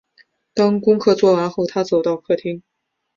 当功课都做完后，她走到客厅